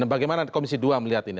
bagaimana komisi dua melihat ini